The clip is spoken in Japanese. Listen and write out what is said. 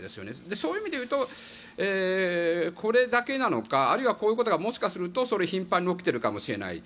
そういう意味で言うとこれだけなのかあるいは、こういうことがもしかしたら頻繁に起きているかもしれない。